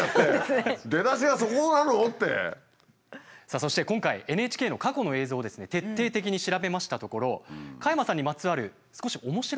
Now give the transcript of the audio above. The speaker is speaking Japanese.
そして今回ＮＨＫの過去の映像を徹底的に調べましたところ加山さんにまつわる少し面白い映像が出てきました。